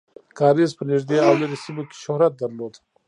کاریز په نږدې او لرې سیمو کې شهرت درلود.